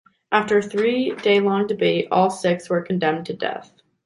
After a three-day-long debate, all six were condemned to death.